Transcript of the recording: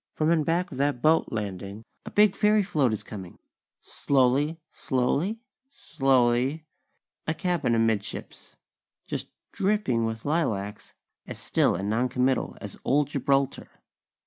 _ From in back of that boat landing, a big fairy float is coming! Slowly, slowly slowly; a cabin amidships, just dripping with lilacs, as still and noncommittal as old Gibraltar.